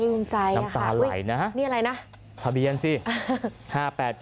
ยืนใจค่ะน้ำตาไหลนะฮะนี่อะไรนะทะเบียนสิ๕๘๗๓นะฮะ